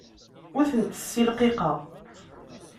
Ur tent-ssilqiqeɣ.